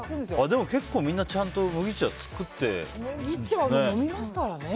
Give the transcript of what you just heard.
でも結構、みんなちゃんと麦茶作ってね。